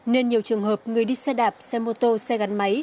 nên nhiều trường hợp người đi xe đạp xe mô tô xe gắn máy